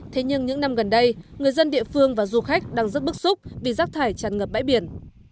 thế nhưng những năm gần đây người dân địa phương và du khách đang rất bức xúc vì rác thải tràn ngập bãi biển